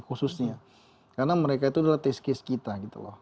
khususnya karena mereka itu adalah test case kita gitu loh